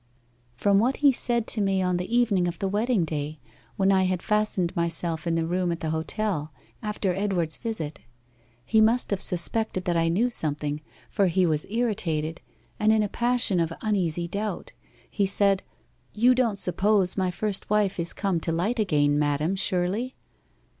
'From what he said to me on the evening of the wedding day, when I had fastened myself in the room at the hotel, after Edward's visit. He must have suspected that I knew something, for he was irritated, and in a passion of uneasy doubt. He said, "You don't suppose my first wife is come to light again, madam, surely?"